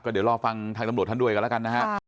เดี๋ยวรอฟังทางตำรวจท่านด้วยกันแล้วกันนะฮะ